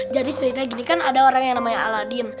jadi cerita gini kan ada orang yang namanya aladin